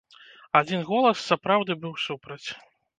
Адзін голас, сапраўды, быў супраць.